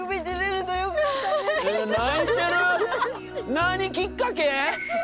何きっかけ？